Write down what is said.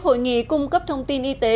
hội nghị cung cấp thông tin y tế